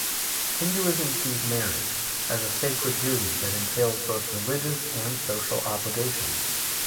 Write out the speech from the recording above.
Hinduism sees marriage as a sacred duty that entails both religious and social obligations.